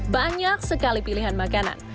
banyak sekali pilihan makanan